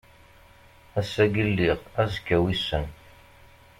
Ass-agi lliɣ, azekka wissen.